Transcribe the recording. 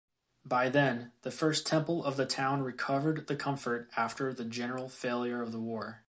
By then, the first temple of the town recovered the comfort after the general failure of the war.